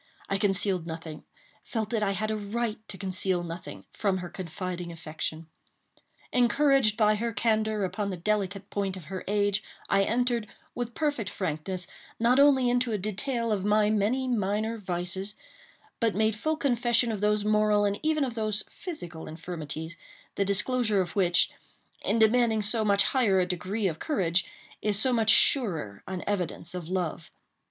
I concealed nothing—felt that I had a right to conceal nothing—from her confiding affection. Encouraged by her candor upon the delicate point of her age, I entered, with perfect frankness, not only into a detail of my many minor vices, but made full confession of those moral and even of those physical infirmities, the disclosure of which, in demanding so much higher a degree of courage, is so much surer an evidence of love.